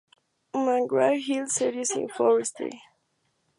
McGraw-Hill series in forestry".